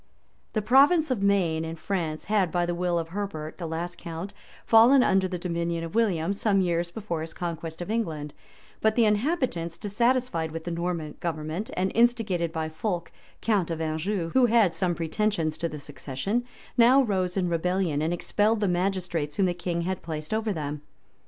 {1073.} The province of Maine, in France, had, by the will of Herbert, the last count, fallen under the dominion of William some years before his conquest of England; but the inhabitants, dissatisfied with the Norman government, and instigated by Fulk, count of Anjou, who had some pretensions to the succession, now rose in rebellion, and expelled the magistrates whom the king had placed over them.